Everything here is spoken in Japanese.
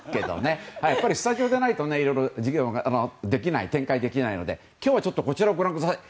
やっぱりスタジオじゃないといろいろ授業が展開できないので今日はこちらをご覧ください。